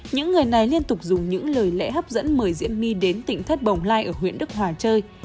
những người này liên tục dùng những lời lẽ hấp dẫn mời diễm my đến tỉnh thất bồng lai ở huyện đức hòa chơi